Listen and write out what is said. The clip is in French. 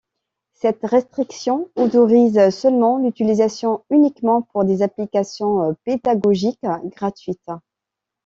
Cette restriction autorise seulement l'utilisation uniquement pour des applications pédagogiques gratuites.